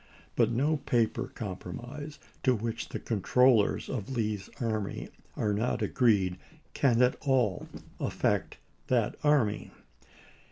But no paper compromise to which the controllers of Lee's army are not agreed can at all affect that army.